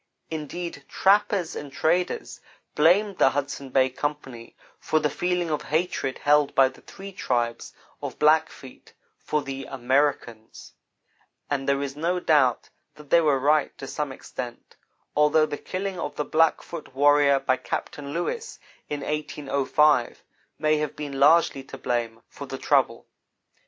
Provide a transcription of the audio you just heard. Indeed, trappers and traders blamed the Hudson Bay Company for the feeling of hatred held by the three tribes of Black feet for the "Americans"; and there is no doubt that they were right to some extent, although the killing of the Blackfoot warrior by Captain Lewis in 1805 may have been largely to blame for the trouble.